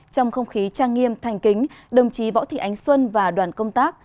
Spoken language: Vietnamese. trong không khí trang nghiêm thành kính đồng chí võ thị ánh xuân và đoàn công tác